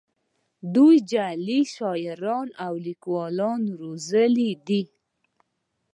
دوی جعلي شاعران او لیکوالان روزلي دي